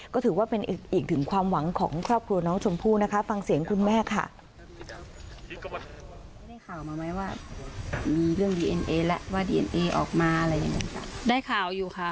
ก็ถือว่าเป็นอีกถึงความหวังของครอบครัวน้องชมพู่นะคะ